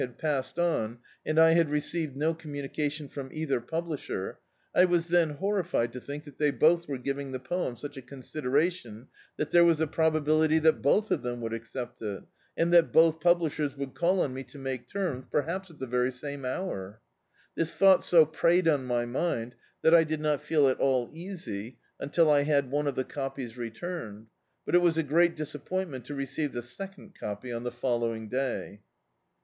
db, Google The Autobiography of a Super Tramp passed on, and I had received no communicatioQ from either publisher, I was then horrified to think that they both were giving the poem sudi a con sideratitm that there was a probability that both of them would accept it, and that both publishers would call on me to make terms, perhaps at the very same hour. This thought so preyed on my mind that I did not fee] at all easy until I had one of the copies returned; but it was a great disappointment to re ceive the second copy on the following day.